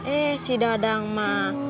eh si dadang mah